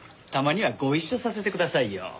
たまにはご一緒させてくださいよ。